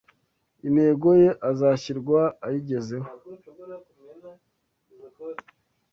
Integoye azashyirwa ayigezeho